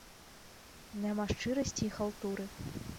Няма шчырасці й халтуры.